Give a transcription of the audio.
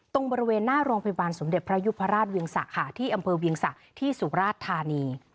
ตรงบริเวณหน้าโรงพยาบาลสมเด็จพระยุพราชเวียงสะค่ะที่อำเภอเวียงสะที่สุราชธานี